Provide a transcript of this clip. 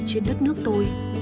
trên đất nước tôi